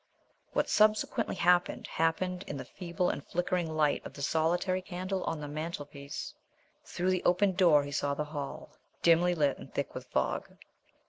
What subsequently happened, happened in the feeble and flickering light of the solitary candle on the mantelpiece. Through the opened door he saw the hall, dimly lit and thick with fog.